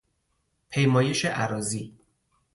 پیمایش اراضی